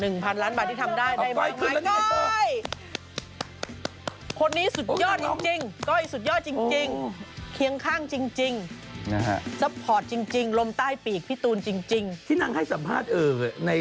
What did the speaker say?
มากกว่า๑๐๐๐ล้านบาทที่ทำได้